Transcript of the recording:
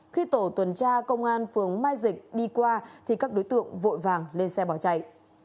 khi tổ tuần tra công an phường mai dịch đi qua thì các đối tượng vội vàng lên xe bỏ chạy